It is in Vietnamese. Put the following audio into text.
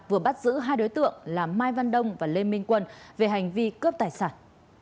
vừa bắt giữ hai đối tượng là mai văn đông và lê minh quân về hành vi cướp tài sản